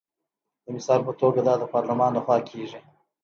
د مثال په توګه دا د پارلمان لخوا کیږي.